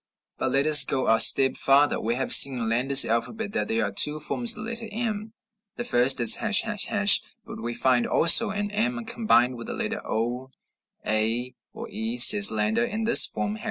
But let us go a step farther: We have seen in Landa's alphabet that there are two forms of the letter m. The first is ###. But we find also an m combined with the letter o, a, or e, says Landa, in this form, ###